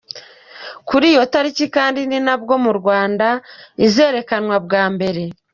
Kuri iyo tariki kandi ni nabwo mu Rwanda izerekanwa bwa mbere.